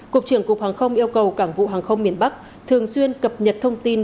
cục trưởng cục hàng không yêu cầu cảng vụ hàng không miền bắc thường xuyên cập nhật thông tin